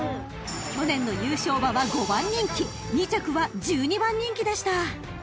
［去年の優勝馬は５番人気２着は１２番人気でした］